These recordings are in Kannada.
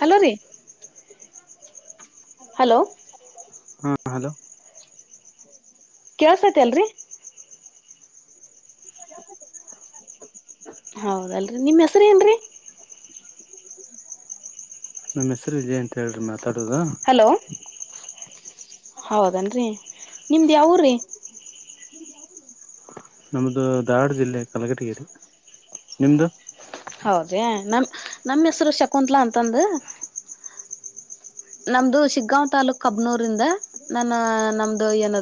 ಹಲೋ ರೀ ಹಲೋ ಹಾ ಹಲೋ ಕೆಲಸೈತೆ ಅಲ್ರಿ [unintelligible] ಹೌದಲ್ರರಿ ನಿಮ್ ಹೆಸ್ರ ಏನ್ರರಿ ನಮ್ಮ್ ಹೆಸರು ವಿಜಯ ಅಂತ ಹೇಳ್ರಿ ಮತ್ತತ್ ಹಲೋ ಹೌದೇನ್ ರರಿ ನಿಮ್ದು ಯಾವ ರೀ ನಮ್ದು ಧಾರ್ವಾಡ ಜಿಲ್ಲೆ ಕಲಕಟಗೇರಿ ನಿಮ್ದು ಹೌದಿ ನಮ ನಮ್ಮ ಹೆಸ್ರು ಶಕುಂತ್ಲಾ ಅಂತಂದು ನಮ್ದು ಶಿಗ್ಗಾಂ ತಾಾಲೂಕ್ ಕಬ್ನೂರಿಂದ ನನ್ನ ನಮ್ದು ಏನ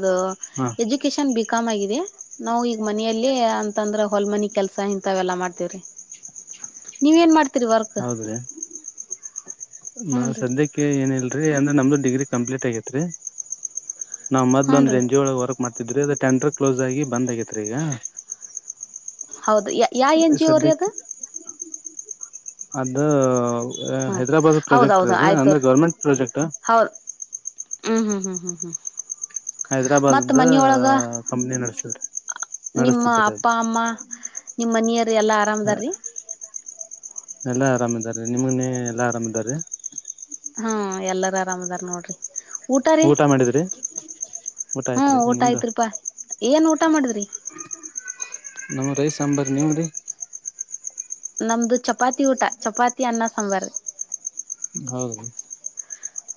ಹಾ ಎಜುಕಷನ್ ಬ ನಾವು ಈಗ ಮನ ಅಂತಂದ್ರ ಹೊಲ್ಮನ ಕೆಲ್ಸ ಇಂತಲ್ಲಾ ಮಾಡ್ತವ್ರಿ ನೀವ ನ್ ಮಾಡ್ ರಿವರ್ಕ್ ಹೌದ್ರಿ ನಾವ್ ಸದ್ಯಕ್ಕೆ ಏನಿಲ್ರಿ ರಿ ಅಂದ್ರೆ ನಮ್ದು ಡಿಗ್ರಿ ಕಂಪ್ಲೀಟ್ ಆಗೇತ್ ರೀ ನಮ್ ಮದ್ಲ ಹ್ಞೂ ಒಂದ ರೀ ಎನ್ ಜಿ ಒಳಗೆ ವರ್ಕ್ ಮಾಡ್ತಿದ್ರಿ ಅದ ಟೆಂಡರ್ ಕ್ಲೋಸ್ ಆಗಿ ಬಂದ್ ಆಗತ್ ರ ಈಗ ಹೌದು ಯ ಯಾವ ಎನ್ ಜಿ ಒರ ಅದು ಸದ್ಯಕ್ಕೆ ಅದು ಹ್ಞೂ ಹೈದ್ರಾಬಾದ್ ಪ್ರಾಜೆಕ್ಟ್ರ್ ಹೌದೌದು ಅದ ಆಯ್ತು ಅಂದ್ರೆ ಗೌರ್ಮೆಂಟ್ ಪ್ರಾಜೆಕ್ಟ್ ಹ್ಮ್ ಹ್ಮ್ ಹ್ಮ್ ಹ್ಮ್ ಹ್ಮ ಮತ್ತ ಹೈದ್ರಾಬಾದ್ದ ಮನೊಳಗ ಕಂಪ್ನಿ ನಡೆಸಿದ ನಿಮ್ಮ ನಡೆಸ್ತಿದ್ರಿ ಅದು ಅಪ್ಪ ಅಮ್ಮ ನಿಮ್ಮ ಮನಿಯ್ರ ಎಲ್ಲಾ ಆರಾಮದಾರಿ ಎಲ್ಲಾ ಆರಾಮಾರೆ ನಿಮನೆ ಎಲ್ಲಾ ಆರಾಮಾರಿೀ. ಹ್ಮ ಎಲ್ಲಾರ ಆರಾಮದಾರ್ ನೋಡ್ರಿ. ಊಟ ಮಾಡಿದ್ರಿ. ಊಟ ಹ್ಮ ಆಯ್ತ್ರಿ ಊಟ ನಿಮ್ದು ಆಯ್ತ್ ರೂಪಾ. ಏನ್ ಊಟ ಮಾಡುದಿ. ಹ. ನಮ್ಮ ರೈ ಸಾಂಬಾರ ನೀವ್ರರಿ. ನಮ್ದು ಚಪಾತಿ ಊಟ ಚಪಾತಿ ಅನ್ನ ಸಾಂಬಾರ. ಹೌದು.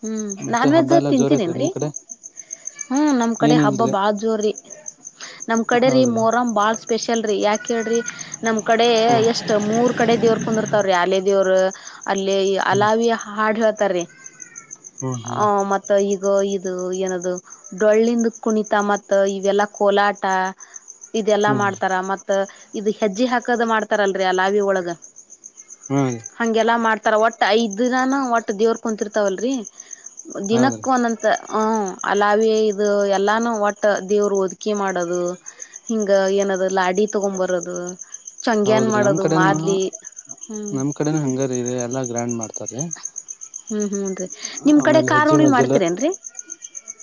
ಹ್ಞ ನಾನ್ ವೆಜ್ ತಿಂತೀರ ಐತ್ರಿ ನ್ರೀ. ನಿಮ್ ಕಡೆ ಹ್ಮ್ ನಮ್ ಕಡೆ ಹಬ್ಬ ಏನಿಲ್ರಿ ಬಾ ಜೋರರಿ. ನಮ್ ಕಡೆ ರೀ ಹೌದ್ರಿ ಮೋರ್ ಬಾಲ್ಸ್. ಸ್ಪೆಷಲ್ ರರಿ ಯಾಕೆ ಹೇಳಿ್ರಿ ನಮ್ ಕಡೆ ಹ್ಮ್ ಎಷ್ಟ್ ಮೂರ್ ಕಡೆ ದೇವ್ರ ಕುಂದಿರ್ತಾವ್ರೀ ಯಾಲೇ. ಇ. ಅಲ್ಲಿ ಹ್ಮ್ ಅಲಾವಿ ಹಾಡು. ತರೇ. ಹ್ಮ್ ಹ ಹ್ಮ್ ಮತ್ತೆ ಈ. ಗೋ ಇದು ಏನದು. ಡೊಳ್ಳಿಂದ ಕುಣಿತ ಮತ್ ಇವೆಲ್ಲಾ ಕೋಲಾಟ. ಇದೆಲ್ಲಾ ಹ್ಮ್ ಮಾಡ್ತಾರ ಮತ್ ಇದು ಹೆಜ್ಜಿ ಹಾಕದ ಮಾಡ್ತಾರಲ್ರರಿ ಅ ಲಾವಿ ಒಳಗ ಹ್ಮ್ ರೀ ಹಂಗೆಲ್ಲಾ ಮಾಡ್ತಾರ ಒಟ್ಟ ಐದ್ ದಿನಾನ. ಒಟ್ಟ ದೇವರ್ ಕುಂತರ್ತಾವಲ್ರರಿ. ಹೌದ್ರಿ ದಿನಕ್ಕೂ ಒಂದಂತ ಹ. ತಾವೇ ಇ ಎಲ್ಲಾನು ಒಟ್ಟ ದೇವ್ರು ಒದಕಿ ಮಾಡೋದು ಹಿಂಗ ಏನದ. ಲಾಡಿ ತೊಗೊ್ಂಬರೋದು ಚಂಗ್ಯನು ಹೌದ್ರಿ ನಮ್ ಮಾಡೋದು ಕಡೆನು ಮಾಡದಲಿ ಹ್ೂ. ಹತಾರೆ ಹ್ಮ್ ಹ್ಮ್ೂನ್ರಿ. ನಿಮ್ ಕಡೆ ಕಾರಖ ಉಣಿ ಮಾಡ್ತೀರ ನ್ರರಿ.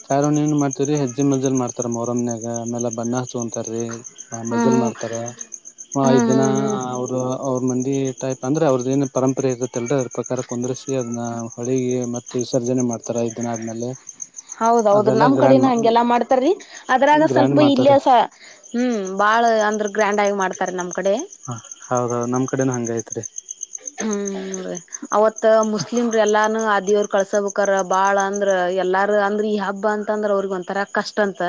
ಚಾರ್ಣ ಏನ್ ಮಾಡ್ತವರಿ ಹೆಜ್ಜ ಮಜ್ಜ ಮಾಡತಾರ ಮರಮ್ನಯಾಗ ಆಮೇ ಬಣ್ಣ ಹಸ್ಕೊಂತಾರೀ. ಹ ಹ್ಮ್ ಮಜಲ್ ಹ್ಮ್ ಮಾಡ್ತಾರ ಐದ್ ಹ್ಮ್ ದಿನ ಹ್ಮ್ ಹ್ಮ್ ಅವರು ಅವ್ರ ಮಂದಿ. ಟೈಪ್ ಅಂದ್ರೆ ಅವ್ರದ ಏನ್ ಪರಂಪರೆ ಇರತ್ತಂದ್ರೆ [unintelligible] ಪ್ರಕಾರ ಕುಂದ್ರರಿಸಿ ಅದನ್ನ ಹೊಳಿಗೆ ಮತ್ತೆ ವಿಸರ್ಜನೆ ಮಾಡ್ತಾರ ಈ ದಿನ ಆದ್ಮೇಲೆ ಹೌದೌದು ಅದೆಲ್ಲಾ ನಮ್ ಗ್ರ್ಯಾಂಡ್ ಕಡೆನ ಹಗೆಲ್ಲ ಮಾಡ್ತಾರೀ ಅದ್ರಾಗ ಗ್ರ್ಯಾಂಡ್ ಸ್ವಲ್ಪ ಮಾಡ್ತಾರೆ ಇಲ್ಲಯಸ ಹ್ಮ್ ಬಾಳ ಅಂದ್ರ ಗ್ರ್ಯಾಂಡ್ ಆಗಿ ಮಾಡ್ತಾರ ನಮ್ ಕಡೆ ಹ ಹೌದೌದು ನಮ್ ಕಡೆನ ಹಂಗೈತ್ರಿ. ಹ್ಮ್ ರೀ ಅವತ್ ಮುಸ್ಲಿಮ್ ರ ಎಲ್ಲಾನು ಅ ದೇವ್ರ್. ಕಳ್ಸ ಬೇಕಾರ ಬಾಳ ಅಂದ್ರ ಎಲ್ಲಾರ ಅಂದ್ರ ಈ ಹಬ್ಬ ಅಂತ ಅಂದ್ರ ಅವ್ರಗ್ ಒಂತರ ಕಷ್ಟ ಅಂತ.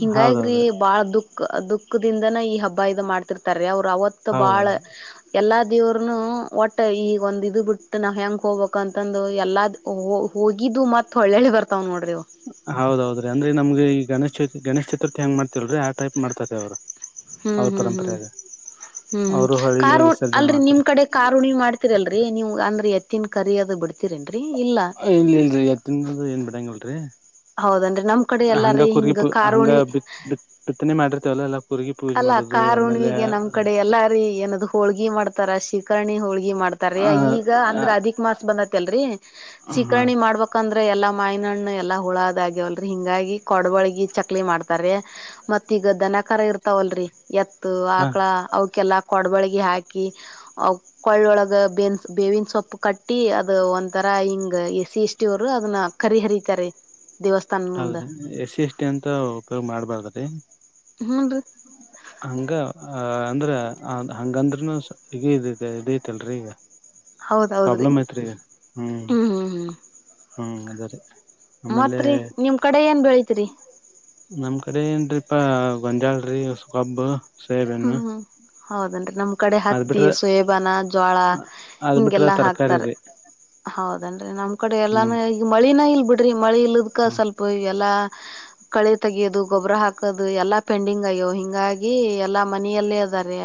ಹಿಂಗಗ್ರಿ ಹೌದೌದ್ರಿ ಬಾಳ ದುಃಖ ದುಃಖ್. ಕ್ದಿಂದನ ಈ ಹಬ್ಬ ಇದ ಮಾಡ್ತಿರ್ತಾರೆ ಅವ್ರು ಅವತ್ತು ಬಾಳ ಹೌದೌದು ಎಲ್ಲ ದೇವರ್ನು ಒಟ್ಟ ಈಗ ಒಂದ ಇದು ಬಿಟ್ಟು ನಾ ಹೆಂಗ ಹೋಗ್ಬೇಕ ಅಂತಂದು ಎಲ್ಲ್ ಹೋಗಿದ್ದು ಮತ್ತ ಒಳ್ಳೆ ಒಳ್ಳೆ ಬರ್ತಾವ ನೋಡಿ ಹೌದೌದ್ರಿ ಅಂದ್ರೆ ನಮ್ಗೆ ಈ ಗಣೇಶ ಗಣೇಶ ಚತುರ್ಥಿ ಹೆಂಗ ಮಾಡ್ತಿಲ್ರರಿ ಆ ಟೈಪ್ ಮಾಡ್ತಾರೆ ಅವರು. ಹ್ಮ್ ಹ್ಮ್ ಹ್ಮ್ ಹ್ಮ್ ಹ್ಮ್ ಅವರು ಹೊಳಿಗೆ ಕಾರು ವಿಸರ್ಜನೆ ಅಲ್ರಿ ನಿಮ್ ಮಾಡ್ತಾರೆ ಕಡೆ ಕಾರುಣಿ ಮಾಡ್ತೀರಲ್ರರಿ ನೀವು ಅಂದ್ರಿ ಎ ತಿನ್ ಕರಿಯಾದದು ಬಿಡ್ತಿರೇನೆ ಇಲ್ಲಿ ಇಲ್ರಿ ಎತ್ತ ಏನ್ ಬಿಟ್ [unintelligible] ಹೌದನ್ರಿ ನಮ್ ಕಡೆ ಎಲ್ಲಾರೀ ಹಿಂಗ ಪೂ ಹಂಗ ಕಾರ್ಖುಣಿ. ಬಿತ್ ಬಿತ್ [unintelligible] ಅಲ್ಲ ಮಾಡೋದು ಆಮೇಲೆ ಕಾರುಣಿಗೆ ನಮ್ ಕಡೆ ಎಲ್ಲಾರೀ ಏನದು ಹೋಳ್ಗಿ ಮಾಡ್ತಾರ ಶಿ. ಕರಣಿಯ. ಹೋಳ್ಗಿ ಮಾಡ್ತಾರ ಆ ಈಗ ಅಂದ್ರೆ ಅದಿಕ್ ಮಾಸ ಬಂದ.. ತಲ್ರಿ. ಸೀಕರ್ಣಿ ಹ ಮಾಡ್ಬೇಕಂದ್ರೆ. ಎಲ್ಲಾ ಮಾಯಿನಣ್ಣ ಎಲ್ಲಾ ಹುಳದಗ್ಯವಲ್ರಿ ಹಿಂಗಾಗಿ ಕೊಡಬಳಗಿ ಚಕ್ಲಿ ಮಾಡ್ತಾರೆ ಮತ್ ಈಗ ದನಕಾರ ಇರ್ತ. ತವಲ್ರಿ ಎತ್. ಆಕ್ಳ ಅವಕೆಲ್ಲ. ಕೊಡ್ಬಳಗೆ ಹಾಕಿ ಕೊಳ್ಳೊಳಗೆ ಬೇನ್ಸ್ ಬೇವಿನ ಸೊಪ್ಪು ಕಟ್ಟಿ ಅದು ಒಂಥರ ಇಂಗು ಎಸ್ ಸಿ ಎಸ್ ಟಿ ದವರು ಅದನ್ನ ಕರಿ ಹರಿತಾರೆ. ದೇವಸ್ಥಾನ ಮುಂದ ಹೌದಾ ಎಸಿ ಎಷ್ಟಿ ಅಂತ ಉಪಯೋಗ ಮಾಡ್ಬಾರ್ದ್ರಿ. ಹೌದು. ಹಂಗ ಅಂದ್ರ ಹಂಗದ್ರೂನು [unintelligible] ಇದೇತಿಲ್ರೀ ಈಗ. ಹೌದ್ ಹೌದ್ರಿ ಪ್ರಾಬ್ಲಮ್ ಐತೆರಿ ಹ್ಮ್ ಹ್ಮ್ ಅದೇ ರಿ ಅಮೇಲೆ ಮತ್ರಿ ನಿಮ್ ಕಡೆ ಏನ್ ಬೆಳಿತಿರಿ ನಮ್ ಸರಿ ಏನ್ ರೀ ಪ [unintelligible] [unintelligible] ಸೆಬೆಣ್ಣು ಹೌದನ್್ರರಿ ನಮ್ ಕಡೆ ಹತ್ತಿ ಸೋಯಬಾನ ಜೋಳ ಅದ್ ಬಿಟ್ರ ಹಿಂಗೆಲ್ಲಾ ತರಕಾರಿ ಹಾಕ್ತಾರೆ ರೀ ಹೌದು ಅ್ರೆ ನ ಕಡೆ ಎಲ್ಲಾನ ಹ್ಮ್ ಈಗ ಮಳಿನ ಇಲ್ ಬಿಟ್ಟ ಮಳಿ ಇಲ್ದಕ್ಕ ಹ್ಮ್ ಸ್ವಲ್ಪ ಈ ಎಲ್ಲ ಕಳಿ ತಗಿಯೋದು ಗೊಬ್ಬರ ಹಾಕದು ಎಲ್ಲಾ ಪೆಂಡಿಂಗ್ ಅಯ್ಯೋ ಹಿಂಗಾಗಿ ಎಲ್ಲಾ ಮನೆಯಲ್ಲೇ ಅದಾರೆ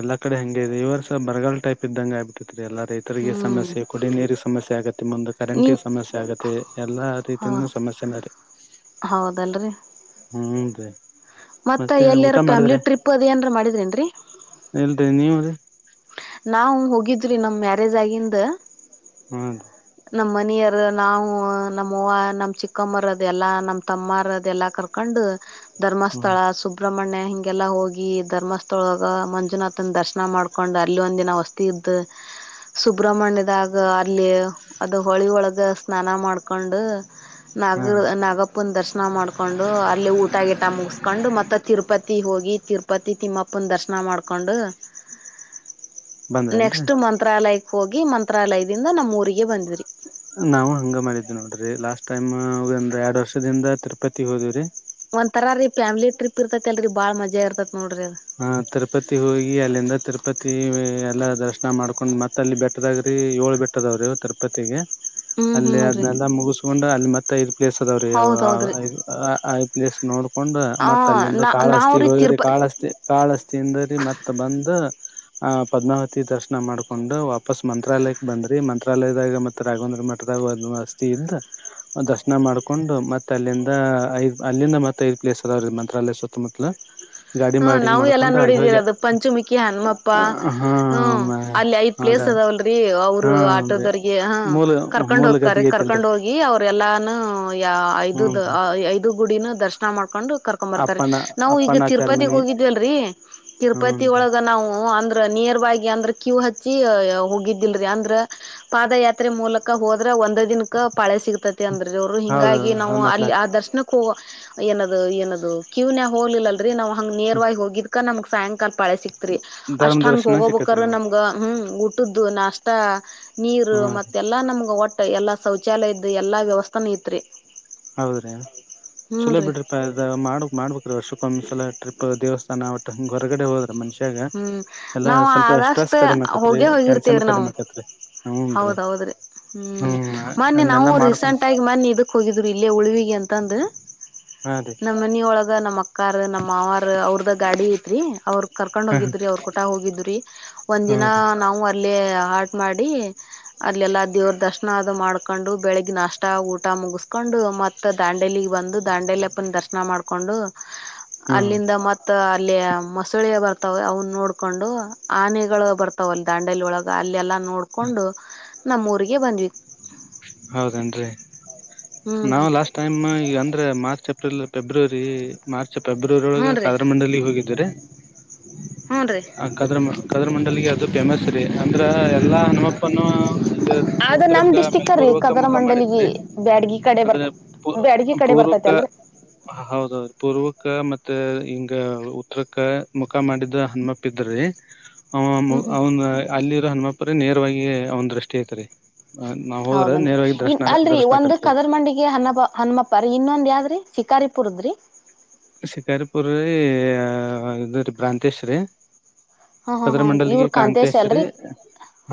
ಎಲ್ಲಾ ಕಡೆ ಹಂಗೆ ಇದೆ ಇವರ್ಸ ಬರಗಲ್ ಟೈಪ್ ಇದ್ದಂಗೆ ಆಗ್ಬಿತತಿ ಎಲ್ಲಾ ರೈತರಿಗೆ ಹ್ಮ್ ಸಮಸ್ಯೆ ಕುಡ ನೀರಿಗೆ ಸಮಸ್ಯೆ ಆಗತ್ತೆ ಮುಂದೆ ಕರೆಂಟ್ ನೀನ್ ಸಮಸ್ಯೆ ಆಗತ್ತೆ ಎಲ್ಲಾ ಹ ರೀತಿಂದ ಸಮಸ್ಯೆನೀ ಹೌದಲ್ರಿ ಹ್ಮ್ ಹ ಮತ್ತ ಎಲ್ಲಿರ ಫ್ಯಾಮಿಲಿ ಟ್ರಿಪ್ ಅದೇಏನ್ಾರ ಮಾಡಿದ್ರಿನ್ರಿ ಎಲ್ರಿರಿ ನೀವ ರೀ ನಾವು ಹೋಗಿದ್ರಿ ನಮ್ಮ ಮ್ಯಾರೇಜ್ ಆಗಿಂದ ಹ ನಮ್ಮ್ ಮನಿಯರ ನಾವು ನಮ್ಮವ ನಮ ಚಿಕ್ಕಮ್ಮರ ಅದೆ ಎಲ್ಲಾ ನಮ ತಮ್ಮರ ಅದೆಲ್ಲಾ ಕರ್ಕೊಂಡು ಧರ್ಮಸ್ಥಳ ಹ್ಮ್ ಸುಬ್ರಹ್ಮಣ್ಯ ಹಿಂಗ ಎಲ್ಲಾ ಹೋಗಿ ಧರ್ಮಸ್ಥಳಳಗ ಮಂಜುನಾಥನ ದರ್ಶನ ಮಾಡ್ಕೊಂಡ ಹಕೊಂಡು ಅಲ್ಲಿ ಒಂದಿನ ವಸ್ತಿ ಇದ್ದು ಸುಬ್ರ್ಮಣ್ಯದಾಗ ಅಲ್ಲಿ ಅದು ಹೊಳಿ ಒಳಗ ಸ್ನಾನ ಮಾಡ್ಕೊಂಡು ಹಾ ನಾಗ ನಾಗ ಅಪ್ಪನ ದರ್ಶನ ಮಾಡ್ಕೊಂಡು ಅಲ್ಲಿ ಊಟ ಗಿಟ ಮುಗಸ್ಕೊಂಡು ಮತ್ತ ತಿರುಪತಿ ಹೋಗಿ ತಿರುಪತಿ ತಿಮ್ಮಪ್ಪನ ದರ್ಶನ ಮಾಡ್ಕೊಂಡು ಬಂದ್ರೇನ್ರಿ ನೆಕ್ಸ್ಟ್ ಮಂತ್ರಾಲಯ ಹೋಗಿ ಮಂತ್ರಾಲಯದಿಂದ ನಮ್ಮ್ ಊರಿಗೆ ಬಂದಿದ್ರಿ ನಾವು ಹಂಗ ಮಾಡಿದ್ದ್ವಿ ನೋಡ್ರಿ ಲಾಸ್ಟ್ ಟೈಮ್ಂದ್ರ ಎರಡ್ ವರ್ಷದಿಂದ ತಿರುಪತಿ ಹೋದವ್ರಿ ಒಂತರಾ ರೀ ಫ್ಯಾಮಿಲಿಟ್ರಿಪ್ ಇರ್ತಕಲ್ರಿ ಬಾಳ ಮಜಾ ಇರ್ತತಿ ಹ ತಿರುಪತಿ ಹೋಗಿ ಅಲ್ಲಿಂದ ತಿರು ತಿರುಪತಿ ಎಲ್ಲ ದರ್ಶನ ಮಾಡ್ಕೊಂಡ್ ಮತ್ತ ಅಲ್ಲಿ ಬೆಟ್ಟದಾಗ್ರಿ ಏಳು ಬೆಟ್ಟದವ್ರಿ ತಿರುಪತಿಗೆ ಹ್ಮ್ ಅಲ್ಲಿ ಹ್ಮ್ ರೀ ಅದನ್ನಲ್ಲ ಮುಗಿಸಕೊಂಡು ಅಲ್ಲಿ ಮತ್ತೆ ತ ಪ್ಲೇಸ್ ಅದಾವ್ರೀ ಹೌದೌದ್ರಿ ಪ್ಲೇಸ್ ನೋಡ್ಕೊಂಡು ಹ ಮತ್ತ ಅಲ್ಲಿಂದ ನಾ ಕಾಳಹಷ್ಟತಿಗೆ ನಾವ್ರೀ ಹೋಗಿರರಿ ತಿರುಪತಿ ಕಾಳಷ್ಟತಿ ಕಾಳಸ್ತಿಿಯಿಂದ ರೀ ಮತ್ತ ಬಂದು ಪದ್ಮಾವತಿ ದರ್ಶನ ಮಾಡ್ಕೊಂಡು ವಾಪಸ್ ಮಂತ್ರಾಲಯಕ್ಕೆ ಬಂದ್ರರಿ ಮಂತ್ರಾಲಯದಾಗ ಮತ್ತೆ ರಾಘವಂದ್ರ ಮಠದಾಗ ಅಸ್ತಿಿ ಇದ್ದ ದರ್ಶನ ಮಾಡ್ಕೊಂಡು ಮತ್ತೆ ಅಲ್ಲಿಂದ ಐದು್ ಅಲ್ಲಿಂದ ಮತ್ತ ಐದು್ ಪ್ಲೇಸ್ ಅಾವ್ರೀ ಮಂತ್ರಾಲಯ ಸುತ್ತಮುತ್ತಲು ಗಾಡಿ ಹ್ಮ ಮಾಡ ನಾವು ಎಲ್ಲಾ ನೋಡಿದೀರಿ ಅದು ಪಂಚಮುಖಿ ಹಣಮ್ಮಪ್ಪ ಹಾ ಹ್ಮ ಅಲ್ಲಿ ಐದ್ ಅದ ಪ್ಲೇಸ್ ಅದಾವಲ್ರಿ ಅವರು ಹಾ ಆಟೋದರ್ಗೆ ಹ ಮೂಲ ಕರ್ಕೊಂಡ್ ಮೂಲ ಹೋಗ್ತಾರಿ ಗದ್ದಿಗೆ ಕರ್ಕೊಂಡ್ ಐತಿಲ್ರರಿ ಹೋಗಿ ಅವ್ರ ಎಲ್ಲಾನೂ ಯ ಹ್ಮ ಐದು ಗುಡಿನ ದರ್ಶನ ಮಾಡ್ಕೊಂಡು ಕರ್ಕೊಂಡ್ ಬರ್ತಾರೆ ಅಪ್ಪನ ನಾವು ಈಗ ಅಪ್ಪನ ತಿರುಪತಿಗ್ ಚರ್ಮನಿ ಹೋಗಿದ್ವಿಲ್ರಿ ತಿರುಪತಿ ಹ್ನ್ರಿ ಒಳಗ ನಾವು. ಅಂದ್ರ ನಿಯರ್ ಅಂದ್ರ ಕ್ಯೂ ಹಚ್ಚಿ ಹೋಗಿದ್ದಿಲ್ರಿ ಅಂದ್ರ ಪಾದಯಾತ್ರೆ ಮೂಲಕ ಹೋದ್ರ ಒಂದ ದಿನಕ. ಪಳೆ ಸಿಗ್ತತಿ ಅಂದ್ರಿ ಅವರು ಹೌದೌ ಹಿಂಗಾಗಿ ಹ ನಾವು ಅಲ್ಲಿ ಮತ್ಲಾತ್ ಆ ದರ್ಶನ. ಹ ಏನ್ ಏನದು ಕಿವನ್ಯ ಹೋಗಲಿಲ್ಲ. ನ. ಹಂಗ್ ನೇರ್ವಾಗಿಿ ಹೋಗಿಕಾ ನಮ. ಸ್ಯಾಂಕಲ್. ಪಾಳೆ ಸಿಕ್ತ್ರಿ ಧರ್ಮ ಅಷ್ಟ್ ಹಂಗ್ ದರ್ಶನ ಹೋಗಬೇಕ ಸಿಕ್ಕತ್ರಿ ನಿಮಗ್ ನಮ್ಗ ಹ್ಮ್. ಊಟ್ಟದ್ದು ನಾಷ್ಟತಾ. ನೀರು ಹಾ ಮತ್ತೆಲ್ಲಾ ನಮ್ಗ ಒಟ್ಟ. ಎಲ್ಲಾ ಶೌಚಾಲಯ ಇದದ ಎಲ್ಲ ವ್ಯವಸ್ಥಾನ ಐತ್ರಿ. ಹೌದ್ರಿ ಚಲೋ ಬಿಡ್ರಿ ಮಾಡ ಮಾಡ್ಬ. ವರ್ಷಕ್ಕೊಂದ್ಸಲ ಟ್ರಿಪ್ ದೇವಸ್ಥಾನ ಒಟ್ಟ ಹೊರಗಡೆ ಹೋದ್ರ ಮನುಷಿ. ಹ್ಮ್ ನಾವ ಆದಷ್ಟ ಕಡಿಮೆ ಆಕತ್ರಿ ಹೋಗೇ ಟೆನ್ಷನ್ ಹೋಗಿರ್ತೇವ್ರಿ ಕಡಿಮೆ ನಾವವು ಆಕತ್ರಿ ಹೂನ್ರಿ ಹೌದ್ೌದ್ರಿ ಹ್ಮ್ ಮನ್ನಿ ನಾವು ಅದನ್ನೆಲ್ಲಾ ಮಾಡ್ಕೊಂಡ್ ರೀಸೆಂಟ್ ಆಗಿ ಮನ್ನಿ ಇದಕ್ ಹೋಗಿದ. ಇಲ್ಲೇ ಉಳಿಗೆ. ಎಂತಂದ ಹಾ ರೀ ನಮ್ಮನಿ ಒಳಗ ನಮ್ಮಕ್ಕ. ಕಾರ್ ನಮ್ಮ್ವಾರ್ ಅವ್ರದ ಗಾಡಿ ಐತ್ರಿ ಅವ್ರ. ಕಕೊಂಡ್ ಹ ಹೋಗಿದ್ರಿ ಅವ್ರರು ಕುೂಟ ಹೋಗಿದ್ರಿ. ಒಂದ್ ಹಾ ದಿನ ರೀ ನಾವು ಅಲ್ಲಿ. ಆಟ ಮಾಡಿ ಅದಲೆಲ್ಲಾ ದೇವ್ರ ದರ್ಶನ ಅದು ಮಾಡ್ಕೊಂಡು ಬೆಳಿಗ್ಗೆ ನಷ್ಟ ಊಟ ಮುಗಿಸ್ಕೊಂಡು ಮತ್ತ ದಾಂಡೇಲಿಗ್ ಬಂದು ದಾಂಡೇಲಿ ಅಪ್ಪನ ದರ್ಶನ ಮಾಡ್ಕೊಂಡು. ಹ್ಮ ಅಲ್ಲಿಂದ ಮತ್ತ. ಅಲ್ಲಿ ಮಸಳೆ ಬರ್ತ. ತ ಅವನ್ನ ನೋಡ್ಕೊಂಡು ಆನೆಗಳು ಬರ್ತಾವ್ ಅಲ್ಲಿ ದಾಂಡಲಿ ಒಳಗ ಅಲ್ಲೆಲ್ಲಾ. ನೋಡ್ಕೊಂಡು. ನಮ್ಮೂಊರಿಗೆ ಬಂದ್ವಿತ್ತು. ಹೌದೇನ್ರಿ ಹ್ಞೂ ರೀ ನಾವು ಲಾಸ್ಟ್ ಟೈಮ್ ಈಗ ಅಂದ್ರೆ March April. February March. February ಹ್ಞೂ ಒಳಗೆ ರೀ ಕದ್ರ ಮಂಡಲ ಹೋಗಿದ್ರಿ ಹ್ಞೂ ರೀ ಆ ಕದ್ರ ಕದ್ರ ಮಂಡಲಿಗೆ ಅದು ಫೇಮಸ್ ರೀ ಅಂದ್ರ ಎಲ್ಲಾ ನಮ್ಮಪ್ಪನ ಉತ್ತರ. ಡಿಸ್ಟಿಕ್ೀ ಕದರ ಮಂಡಲಿಗೆ ಬ್ಯಾಡ್ಗ ಕಡೆ ಬರ್ತ ಅಂದ್ರೆ ಬ್ಯಾಡ್ಗ ಕಡೆ ಪೂರ್ವಕ ಬರ್ತೈತಿ ಅಲ್ರಿ. ಅಕ್ಕ ಮತ್ತೆ ಹಿಂಗ ಉತ್ತರಕ್ಕ ಮುಖ ಮಾಡಿದ ಹನುಮಪ್ಪಿದ್ರೀ. ಹ ಹ್ಮ್ ಹ್ಮ್ ಅವ ಅಲ್ಲಿ. ಹನುಮಾಪುರಿ ನೇರವಾಗಿ ಅವ್ ದೃಷ್ಟಿ ಐತರಿ. ಹೌದನ್ರಿ ಇನ್ ಅಲ್ರರಿ ಒಂದ್ ದರ್ಶನಕತ್ರಿ ಕದರ್ಮಂಡಿಗೆ ಹನ್ನಬ ಹನುಮಪ್ಪ ರೀ ಇನ್ನೊಂದ ಯಾವಾದ್ರೀ ಶಿಕಾರಿಪುರದ್ರಿ ಶಿಕಾರಿಪುರ [unintelligible] ರಿ ಭ್ರಾಂತೇಶ್ರೀ ಹಾ ಹಾ ಹನ್ರಿ ಕದ್ರಮಂಡಲಿಗೆ ಇವ್ರ ಕಾಂತೇಶ್ ಕಾಂತೇಶ್ವರಿ ಅಲ್ರಿ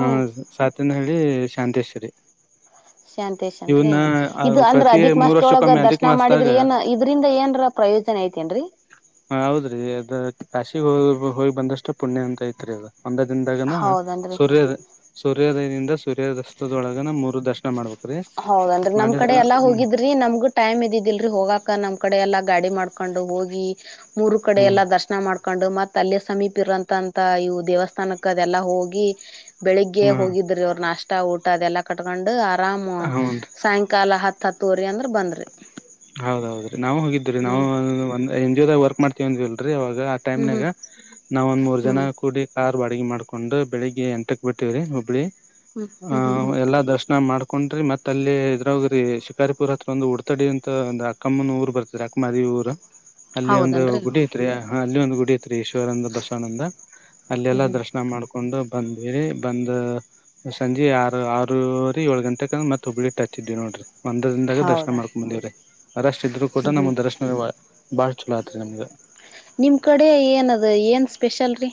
ಹ ಸಾತನಹಳ್ಳಿ ಶಾಂತೇಶ್ವರಿ ಶಾಂತೇಶ್ ಅನ್ರಿ ಇದು ಅಂದ್ರ ಪ್ರತಿ ಅದಿಕಮಾ ಮೂರ್ ಸದೊಳಗ ವರ್ಷಕ್ಕೊಮ್ಮೆ ಅಧಿಕ್ ದರ್ಶನ ಮಾಸದಾಗ ಮಾಡಿದ್ರೆ ಏನ್ ಇದ್ರಿಂದ ಏನ್ರ ಪ್ರಯೋಜನ ಏನ ಹ ಹೌದ್ರಿ ಅದ ಕಾಶಿ ಹೋಗಿ ಬಂದಷ್ಟು ಪುಣ್ಯ ಅಂತ ಐತ್ರಿ ಅದು ಒಂದ ದಿನದಾಗನ ಹೌದನ್ರಿ ಸೂರ್ಯದ ಸೂರ್ಯೋದಯದಿಂದ ಸೂರ್ಯದಸ್ತದೊಳಗ ನ ಮೂರು ದರ್ಶನ ಮಾಡ್ಬೇಕು ಹೌದನ್ರಿ ನಮ್ ಕಡೆ ಎಲ್ಲಾ ಹೋಗಿದ್ರಿ ನಮ್ಗು ಟೈಮ್ ಇದಿದಿಲ್ರರಿ ಹೋಗಾಕ ನಮ್ ಕಡೆ ಎಲ್ಲ ಗಾಡಿ ಮಾಡ ಮಾಡಕೊಂಡು ಹೋಗಿ ಮೂರು ಕಡೆ ಹ್ಮ್ ಎಲ್ಲಾ ದರ್ಶನ ಮಾಡ್ಕೊಂಡು ಮ ತಲ್ಯ ಸಮೀಪ ಇರಂತಂತ ಇವು ದೇವಸ್ಥಾನಕ್ಕ ಅದೆಲ್ಲಾ ಹೋಗಿ ಬೆಳಿಗ್ಗೆ ಹ್ಮ ಹೋಗಿದ್ರೆ ಅವರು ನಾಷ್ಟ ಇ ಊಟ ಅದೆಲ್ಲ ಕಕೊಂಡು ಆರಾಮ ಹನ್ ಸಾಯಂಕಾಲ ಹತ್ತು ಹತ್ತ ತಾವೋರಿ ಅಂದ್ರ ಬಂದ್ರರಿ ಹೌದೌದು ರಿ ನಾವು ಹೋಗಿದ್ರ ನಾವು ಎನ್ ಜಿದಾಗ ವರ್ಕ್ ಮಾಡ್ತೀವಿ ಅಂದ್ರೆ ಅಂತ ಇವಾಗ ಆ ಹ್ಮ್ ಟೈಮ್ನಾಗ ಹ್ಮ್ ನಾವ್ ಒಂದ್ ಮೂರ್ ಜನ ಹ್ಮ್ ಹ್ಮ್ ಕೂಡಿ ಕಾರ್ ಅಡು ಮಾಡ್ಕೊಂಡು ಬೆಳಿಗ್ಗೆ ಎಂಟಕ್ ಬಿಟ್ಟವ್ರಿ ಹುಬ್ಬಳ್ಳಿ ಹ ಹ್ಮ್ ಹ್ಮ್ ಹ್ಮ್ ಎಲ್ಲಾ ದರ್ಶನ ಮಾಡ್ಕ ಕೊಂಡ್ರಿ ಮತ್ತ ಅಲ್ಲಿ ಇದ್ರ್ಗ ಶಿಕಾರಿಪುರ್ ಹತ್ರ ಒಂದು ಉಡ್ತಡಿ [unintelligible] ಒ ಅಕ್ಕಮ್ಮನ ಊರ್ ಬರ್ತದ ಅಕ್ಕಮ್ಮದಿ ಊರು ಅಲ್ಲಿ ಒಂದು ಹೌದನ್ರಿ ಗುಡಿ ಐತ್ರಿಯ ಹಾ ಅಲ್ಲಿ ಒಂದು ಗುಡಿ ಐತ್ರಿ ಈಶ್ವರ ಅಂದ ಬಸಣ್ಣ ಅಂದ ಹ್ಮ್ ಅಲ್ಲೆಲ್ಲಾ ಹ್ಮ್ ದರ್ಶನ ಮಾಡ್ಕು ಉಂಡು ಬಂದವಿರಿ ಬಂದು ಸಂಜೆ ಆರು ಆರೂವರಿ ಏಳು ಗಂಟೆೆಗೆ ಮತ್ತೆ ಹುಬ್ಳ್ಳಿ ಟಚ್ ಇದ್ವಿ ನೋಡ್ರಿ ಒಂದದಿಂದಾಗ ದರ್ಶನ ಹೌದಾ ಮಾಡ್ಕೊಬಂದುವಿ ಅರಷ್ಟ ಇದ್ರು ಕೂಡ ಹ್ಮ್ ನಮ್ಮ ಹ್ಮ್ ದರ್ಶನ [unintelligible] ಬಾಳ್ ಚೋಲಾ ಅತರಿ ನಮಗ ನಿಮ್ಮ ಕಡೆ ಏನದು ಏನು ಸ್ಪೆಷಲ್ ರೀ.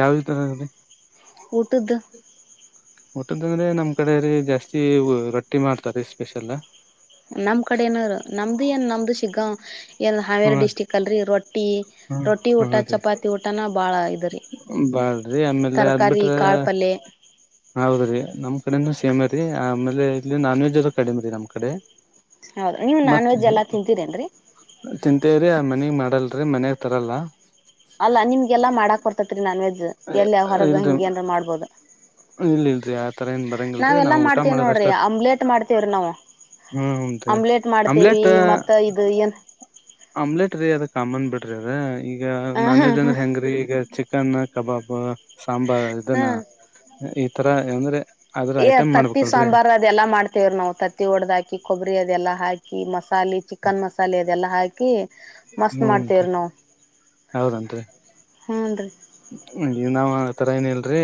ಯಾವ ತರ. ಉಟ್ಟದು. ಊಟದ ಅಂದ್ರೆ ನಮ್ ಕಡೆ ರ ಜಾಸ್ತಿ ರೊಟ್ಟಿ ಮಾಡ್ತಾರೆ ಸ್ಪೆಷಲ್. ನಮ್ ಕಡೆ ಏನ ನಮ್ದು ಏನ್ ನಮ್ದು ಸಿಗ್ಗಾ ಎನ್. ಹ್ಮ ಹಾವೇರಿ ಡಿಸ್ಟಿಕ್ ಅಲ್ಲಿ ಇ. ರೊಟ್ಟಿ ಹ್ಮ ರೊಟ್ಟಿ ಊಟ ಹ್ಮ ರೀ ಚಪಾತಿ ಊಟನ ಬಾಳ ಇ. ಬಾಳ್ರಿ ಆಮೇಲೆ ಅದ್ ಬಿಟ್ರ ಕಾಳ್ ಪಲ್ಯ ಹೌದ್ರಿ ನಮ್ ಕಡೆದ ಸೇಮ. ರಿ ಆಮೇಲೆ ಇಲ್ಲಿ ನಾನ್ ವೆಜ್ ಅ್ರ ಕಡಿಮೆ ರ ನಮ್ ಕಡೆ. ಹೌದ ನೀವ್ ನಾನ್ ಮತ್ತೆ ವೆಜ್ ಎಲ್ಲಾ ತಿಂತೀರೇನ್ರರಿ ತಿಂತೇವ್ರಿ ಆ ಮನಗ್. ಮಾಡಲ್ರಿ ಮನೆಗೆ ತರಲ್ಲ. ಅಲ್ಲ ನಿಮ್ಗೆಲ್ಲ ಮಾಡಾಕ್ ಕೊರ್ತತ್ರಿ ನಾನ್ ವೆಜ್. ಎಲ್ಲಿ ಯ ಹೊರಗ ಹಂಗಿಏನ್ ಮಾಡ್ಬೋದು. ಇಲ್ಲ್ರರಿ ಆತರ ಏನ್ ಬರಂಗಲ್ರರಿ ನಾವು ನಾವೆಲ್ಲಾ ಊಟ ಮಾಡ್ತೇವ್ ಮಾಡ ನೋಡ್ರಿ ಅಷ್ಟೀ ಆಮ್ಲೆಟ್ ಮಾಡ್ತೇವ್ರಿ ನಾವು ಹಾ ಹೀ ಆಮ್ಲೆಟ್ ಮಾಡ್ತೇವಿ ಆಮ್ಲೆಟ್. ಮತ್ತ ಇದು ಏನ್ ಆಮ್ಲೆಟ್ ರೀ ಅದ ಕಾಮನ್ ಬಿಡ್ರಿ ಅದ ಈಗ. ಈಗ ನಾನ್ ಹ ವೆಜ್ ಹ ಅಂದ್ರೆ ಹೆಂಗ್ರೀ ಈಗ ಚಿಕ್. ಚಿಕ್ಕನ್ನ ಕಬಾಬ್. ಸಾಂಬಾರ್ ಇದನ್ನ. ಹ ಈ ತರ ಏಂದ್ರೆ. ಏ ತತ್ತಿ ಸಾಂಬಾರ್ ಅದೆಲ್ಲಾ ಮಾಡ್ತೇವ್ರ ನಾವವು ತತ್ತಿ ಒಡ್ದಾಕಿ ಕೊಬ್ಬ. ಅದೆಲ್ಲ ಹಾಕಿ ಮ. ಮಸಾಲೆ ಚಿಕನ್ ಮಸಾಲೆ ಅದೆಲ್ಲ ಹಾಕಿ. ಕ. ಹ್ಮಂತ ಹೌದಂತೆ ಹೂನ್ರಿ ನ. ತರ ಏನಲ್ರೀ.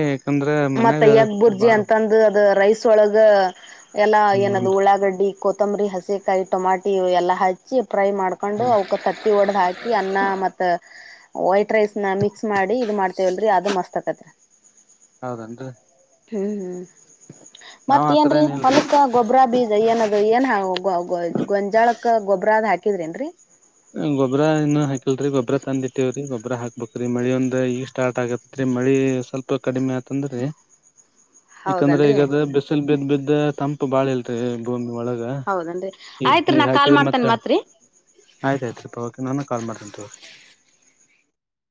ಮತ್ತೆ ಯಗ್ ಬುರ್ಜಿ ಅಂತಂದ ಅದ ರೈಸ್ ಒಳಗ ಎಲ್ಲಾ ಹ್ಮ ಏನದು ಉಳ್ಳಾಗಡ್ಡಿ ಕೊ. ಕೊತ್ತಂಬರಿ ಹಸಿಕಾಯಿಟಮಾಟಿ ಎಲ್ಲ ಹಾಚ್ಚಿ. ಫ್ರೈ. ಮಾಡ್ಕೊಂಡು ಅವಕ ತತ್ತಿ ಒಡ್ದ್ ಹಾಕಿ ಅನ್ನ ಮತ್ತ ವೈಟ್ ರೈಸ್ ನ ಮಿಕ್ಸ್ ಮಾಡಿ. ಇ ಮಾಡ್ತೇವಲ್ರರಿ ಅದು ಮಸ್ತ್ ಆಕತ್ರಿ. ಹೌದನ್ರಿ. ಹ್ಮ್ ಹ್ಮ್. ನಾವ್ ಆತರ ಮತ್ತೇಏನ್ರೀ ಏನ ಇಲ್ರಿ ಹೊಲಕ್ಕ ಗೊಬ್ಬ್ರಾ ಬೀಜ ಏನದು ಏನ್ ಹಾಗ. ಗ ಗ ಗೊಂಜಾಳಕ್ಕ ಗೊಬರದ್ ಹಾಕಿದ್ರಿ ನ್ರರಿ. ಗೊಬ್ರ ಇನ್ನ ಹಾಕಿಲ್ರರಿ ಗೊಬ್ಬ್ರ ತಂದಿಟ್ಟೇವ್ರಿ ಗೊಬ್ಬರ ಹಾಕ್ಬೇಕುರಿ. ಮಳಿ ಒಂದ ಈಗ ಸ್ಟಾರ್ಟ್ ಆಗತ್ರಿ ಮಳಿ ಸ್ವಲ್ಪ ಕಡಿಮೆ ಆತಂದ್ರರಿ. ಯಾಕಂದ್ರೆ ಹೌದನ್ರಿ ಈಗದು ಬಿಸಿಲ್ ಬಿದ್ದ್ ಬಿದ್ದ ಇದ ತಂಪು ಬಾಳ ಇ ತದೆ ಬೂ ಹೌದನ್ರಿ ಆಯ್ತ್ರ ನಾ ಕಾಲ್ ಮಾಡ್ತೇನ್ ಮತ್ತೆ ಮತ್ರಿ. [unintelligible]